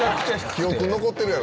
記憶に残ってるやろ。